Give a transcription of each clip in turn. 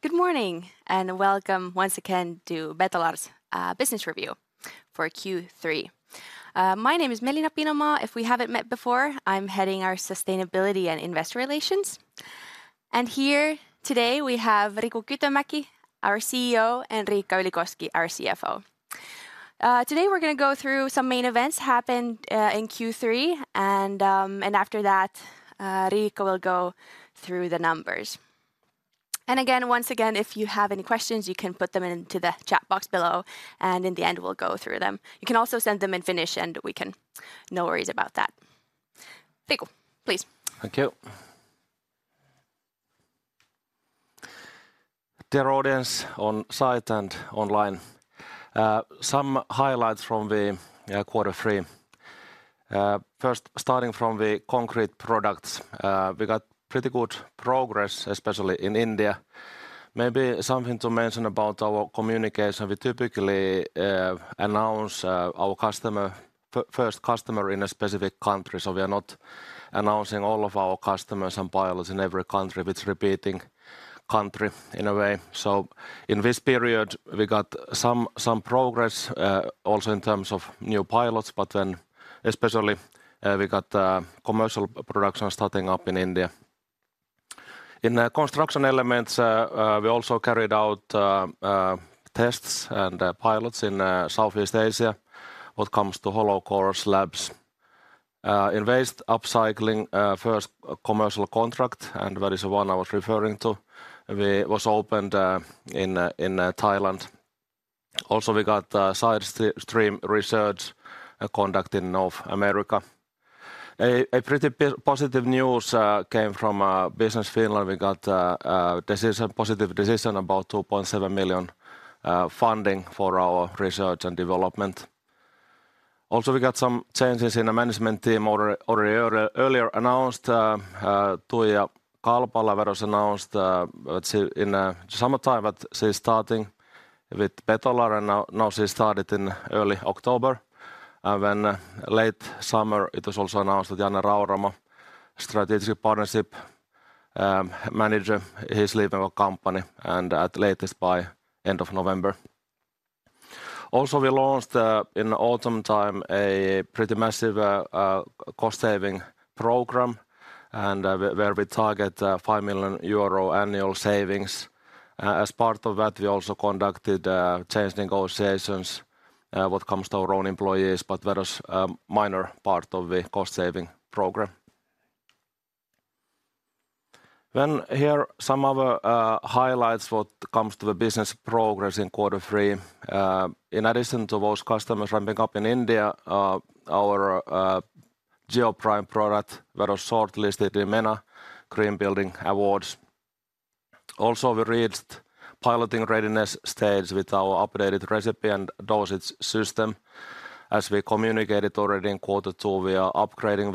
Good morning, and welcome once again to Betolar's business review for Q3. My name is Melina Pinomaa. If we haven't met before, I'm heading our sustainability and investor relations. Here today we have Riku Kytömäki, our CEO, and Riikka Ylikoski, our CFO. Today we're gonna go through some main events happened in Q3, and after that, Riikka will go through the numbers. Again, once again, if you have any questions, you can put them into the chat box below, and in the end we'll go through them. You can also send them in Finnish, and we can, no worries about that. Riku, please. Thank you. Dear audience on site and online, some highlights from the quarter three. First starting from the concrete products, we got pretty good progress, especially in India. Maybe something to mention about our communication, we typically announce our first customer in a specific country, so we are not announcing all of our customers and pilots in every country. It's repeating country in a way. So in this period, we got some progress also in terms of new pilots, but then especially we got commercial production starting up in India. In the construction elements, we also carried out tests and pilots in Southeast Asia what comes to hollow core slabs. In waste upcycling, first commercial contract, and that is the one I was referring to, it was opened in Thailand. Also, we got side stream research conducted in North America. A pretty positive news came from Business Finland, and we got a positive decision about 2.7 million funding for our research and development. Also, we got some changes in the Management Team earlier announced. Tuija Kalpala was announced, but she in summertime, but she's starting with Betolar, and now she started in early October. And then, late summer, it was also announced that Janne Rauramo, Strategic Partnership Manager, he's leaving our company, and at latest by end of November. Also, we launched in autumn time a pretty massive cost saving program, and where we target 5 million euro annual savings. As part of that, we also conducted change negotiations what comes to our own employees, but that is a minor part of the cost saving program. Then here are some other highlights what comes to the business progress in quarter three. In addition to those customers ramping up in India, our Geoprime product that was shortlisted in MENA Green Building Awards. Also, we reached piloting readiness stage with our updated recipe and dosage system. As we communicated already in quarter two, we are upgrading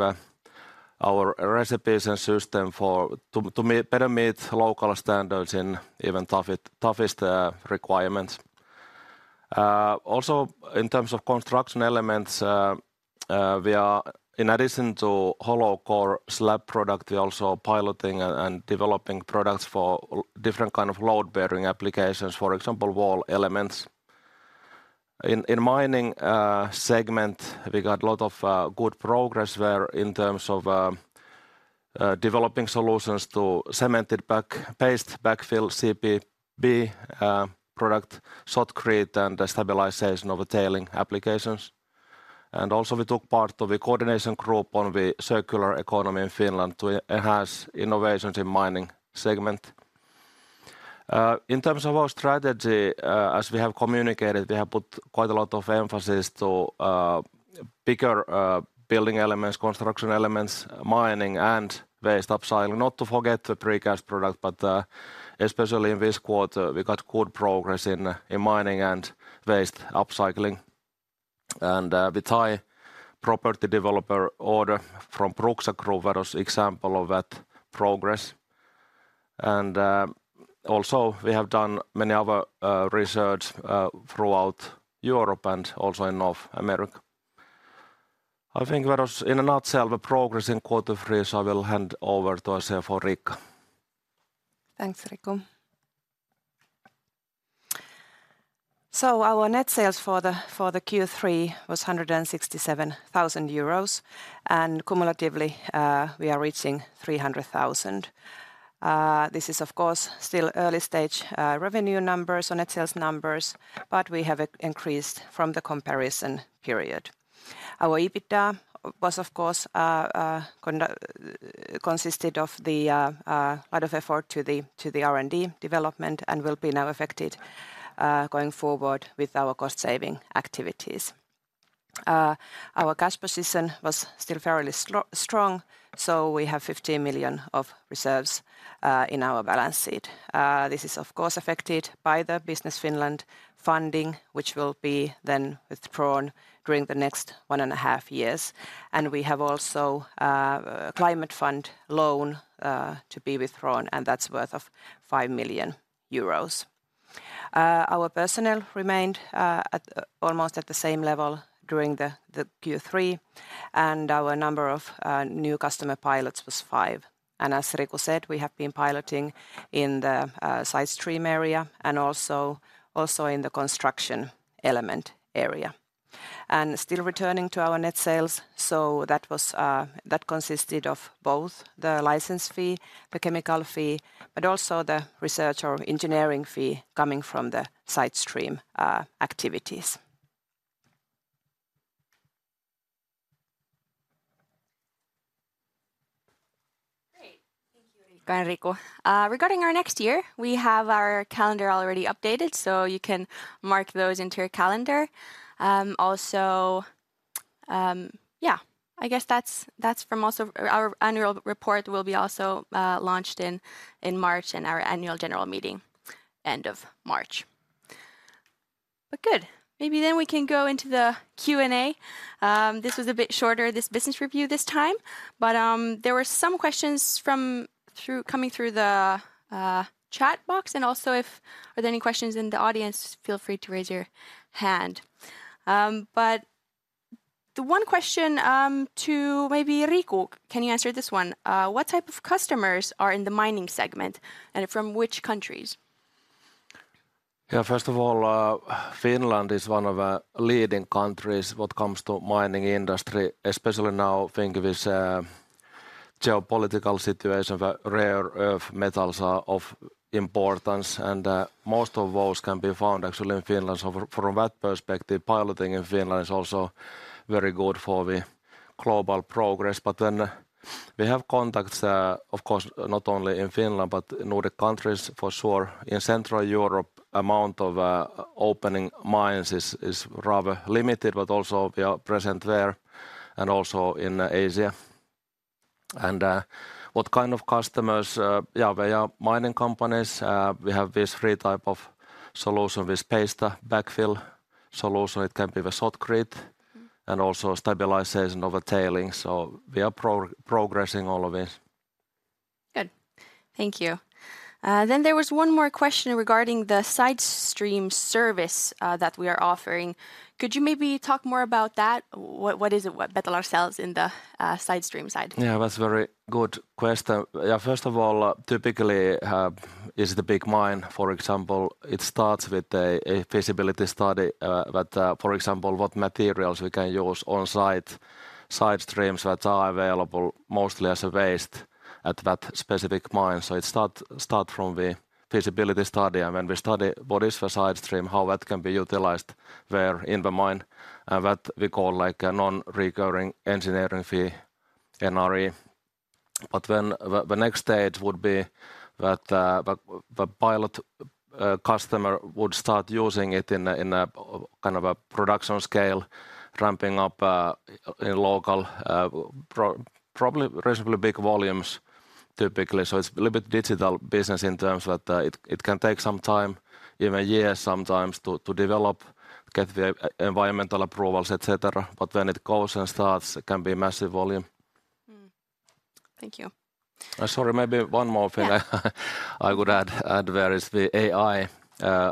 our recipes and system to better meet local standards in even toughest requirements. Also in terms of construction elements, we are in addition to hollow core slab product, we're also piloting and developing products for different kind of load-bearing applications, for example, wall elements. In mining segment, we got a lot of good progress there in terms of developing solutions to cemented paste backfill CPB product, shotcrete, and the stabilization of the tailings applications. And also we took part of a coordination group on the circular economy in Finland to enhance innovations in mining segment. In terms of our strategy, as we have communicated, we have put quite a lot of emphasis to bigger building elements, construction elements, mining, and waste upcycling, not to forget the precast product, but especially in this quarter, we got good progress in mining and waste upcycling. The Thai property developer order from Pruksa Group was example of that progress. Also we have done many other research throughout Europe and also in North America. I think that was in a nutshell the progress in quarter three, so I will hand over to our CFO, Riikka. Thanks, Riku. So our net sales for the Q3 was 167,000 euros, and cumulatively, we are reaching 300,000. This is, of course, still early-stage revenue numbers on net sales numbers, but we have increased from the comparison period. Our EBITDA was, of course, consisted of a lot of effort to the R&D development and will be now affected going forward with our cost saving activities. Our cash position was still fairly strong, so we have 15 million of reserves in our balance sheet. This is, of course, affected by the Business Finland funding, which will be then withdrawn during the next one and a half years, and we have also Climate Fund loan to be withdrawn, and that's worth of 5 million euros. Our personnel remained almost at the same level during the Q3, and our number of new customer pilots was five. As Riku said, we have been piloting in the side stream area, and also in the construction element area. Still returning to our net sales, so that was. That consisted of both the license fee, the chemical fee, but also the research or engineering fee coming from the side stream activities. Great. Thank you, Riikka and Riku. Regarding our next year, we have our calendar already updated, so you can mark those into your calendar. Also, yeah, I guess that's it. Our annual report will also be launched in March, and our annual general meeting, end of March. Good. Maybe then we can go into the Q&A. This was a bit shorter, this business review this time, but there were some questions coming through the chat box. Also, if there are any questions in the audience, feel free to raise your hand. But the one question to maybe Riku, can you answer this one? What type of customers are in the mining segment, and from which countries? Yeah, first of all, Finland is one of leading countries when it comes to mining industry, especially now, thinking with geopolitical situation where rare earth metals are of importance, and most of those can be found actually in Finland. So from, from that perspective, piloting in Finland is also very good for the global progress. But then we have contacts, of course, not only in Finland, but Nordic countries for sure. In Central Europe, amount of opening mines is, is rather limited, but also we are present there, and also in Asia. And what kind of customers? Yeah, they are mining companies. We have these three type of solution: with paste backfill solution, it can be the shotcrete and also stabilization of the tailings. So we are progressing all of this. Good. Thank you. Then there was one more question regarding the side stream service that we are offering. Could you maybe talk more about that? What, what is it what Betolar sells in the side stream side? Yeah, that's a very good question. Yeah, first of all, typically, is the big mine, for example, it starts with a feasibility study, that, for example, what materials we can use on site, side streams that are available mostly as a waste at that specific mine. So it starts from the feasibility study, and when we study what is the side stream, how that can be utilized there in the mine, and that we call like a non-recurring engineering fee, NRE. But then the next stage would be that, the pilot customer would start using it in a, in a, kind of a production scale, ramping up, in local, probably reasonably big volumes, typically. So it's a little bit digital business in terms of that it can take some time, even years sometimes, to develop, get the environmental approvals, et cetera. But when it goes and starts, it can be massive volume. Mm. Thank you. Sorry, maybe one more thing- Yeah. I could add. There is the AI,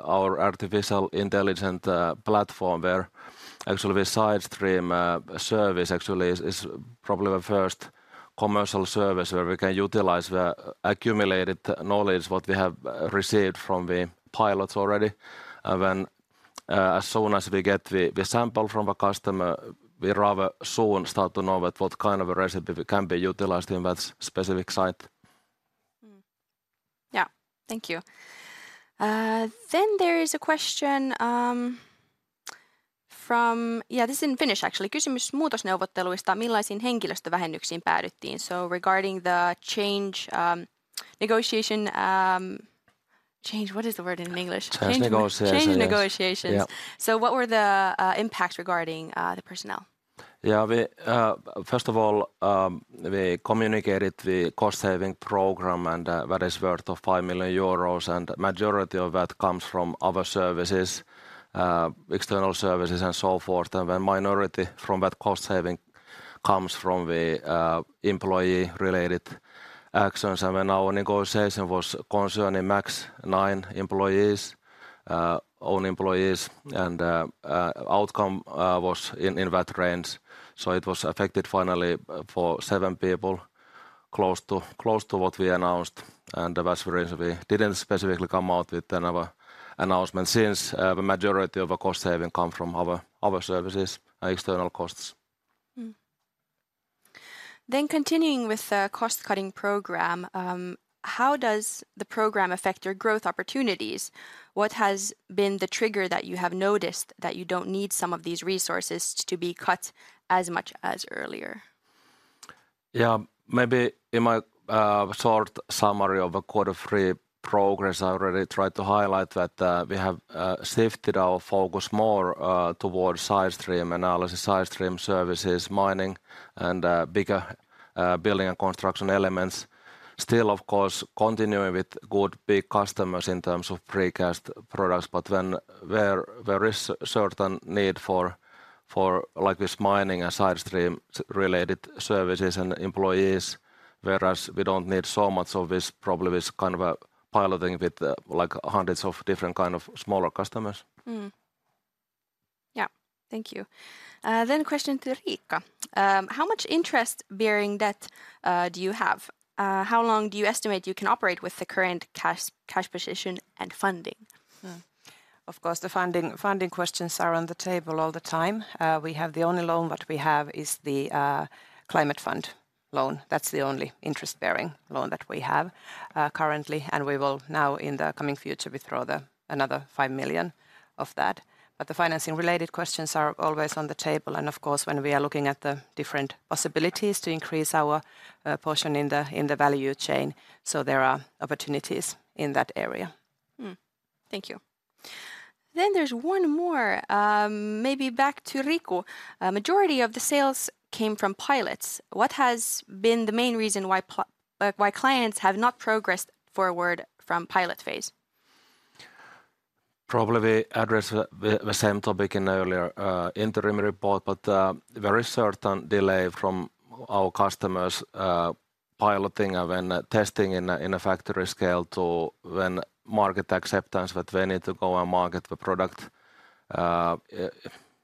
our artificial intelligence platform, where actually the side stream service actually is probably the first commercial service where we can utilize the accumulated knowledge what we have received from the pilots already. And then, as soon as we get the sample from a customer, we rather soon start to know that what kind of a recipe can be utilized in that specific site. Mm. Yeah. Thank you. Then there is a question from, yeah, this is in Finnish, actually. "Kysymys muutosneuvotteluista: millaisiin henkilöstövähennyksiin päädyttiin?" So regarding the change negotiation, change, what is the word in English? Change negotiations. Change negotiations. Yeah. What were the impacts regarding the personnel? Yeah, we first of all we communicated the cost-saving program, and that is worth 5 million euros, and majority of that comes from other services, external services, and so forth. And the minority from that cost saving comes from the employee-related actions. And when our negotiation was concerning max nine employees, own employees, and outcome was in that range, so it was affected finally for seven people, close to what we announced, and that's the reason we didn't specifically come out with another announcement, since the majority of the cost saving come from our services and external costs. Continuing with the cost-cutting program, how does the program affect your growth opportunities? What has been the trigger that you have noticed that you don't need some of these resources to be cut as much as earlier? Yeah. Maybe in my short summary of the quarter three progress, I already tried to highlight that we have shifted our focus more towards side stream analysis, side stream services, mining, and bigger building and construction elements. Still, of course, continuing with good big customers in terms of precast products, but when there is certain need for like this mining and side stream-related services and employees, whereas we don't need so much of this, probably this kind of a piloting with like hundreds of different kind of smaller customers. Yeah, thank you. Then, question to Riikka. How much interest-bearing debt do you have? How long do you estimate you can operate with the current cash, cash position and funding? Of course, the funding, funding questions are on the table all the time. We have the only loan what we have is the Climate Fund loan. That's the only interest-bearing loan that we have currently, and we will now in the coming future withdraw the another 5 million of that. But the financing-related questions are always on the table, and of course, when we are looking at the different possibilities to increase our portion in the, in the value chain, so there are opportunities in that area. Thank you. Then there's one more, maybe back to Riku. Majority of the sales came from pilots. What has been the main reason why clients have not progressed forward from pilot phase? Probably we address the same topic in the earlier interim report, but very certain delay from our customers' piloting and when testing in a factory scale to when market acceptance that we need to go and market the product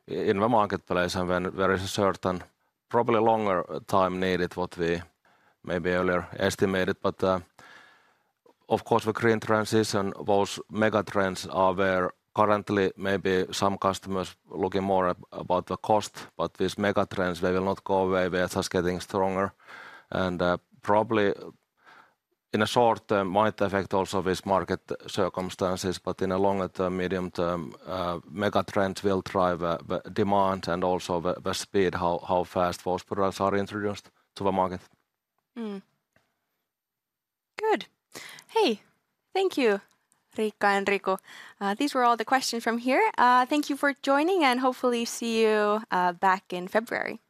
in the marketplace and when there is a certain, probably longer time needed what we maybe earlier estimated. But, of course, the green transition, those mega trends are where currently maybe some customers looking more at about the cost, but these mega trends, they will not go away. They are just getting stronger, and probably in a short term might affect also this market circumstances, but in a longer term, medium term, mega trends will drive the demand and also the speed, how fast those products are introduced to the market. Mm. Good. Hey, thank you, Riikka and Riku. These were all the questions from here. Thank you for joining, and hopefully see you back in February.